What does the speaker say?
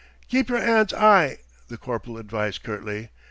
"Keep yer 'ands 'igh," the corporal advised curtly.